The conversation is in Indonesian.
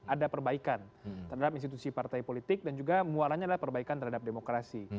ada perbaikan terhadap institusi partai politik dan juga muaranya adalah perbaikan terhadap demokrasi